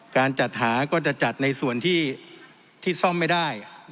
การจัดหาก็จะจัดในส่วนที่ซ่อมไม่ได้